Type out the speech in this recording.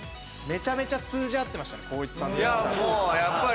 めちゃめちゃ通じ合ってましたね光一さんと菊田。